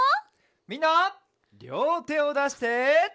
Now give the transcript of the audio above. みんなりょうてをだして。